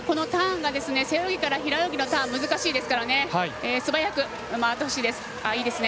背泳ぎから平泳ぎのターン難しいですから素早く回ってほしいです。